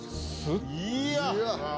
いや！